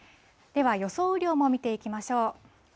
では予想雨量も見ていきましょう。